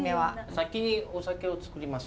先にお酒を作ります。